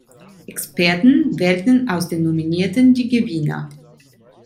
Experten wählten aus den Nominierten die Gewinner.